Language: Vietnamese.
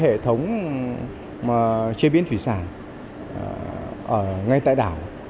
như là các hệ thống chế biến thủy sản ngay tại đảo